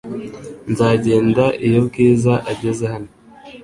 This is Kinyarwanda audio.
Nzagenda iyo Bwiza ageze hano .